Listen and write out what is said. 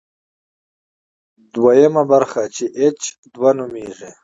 دویمه برخه چې اېچ دوه نومېږي.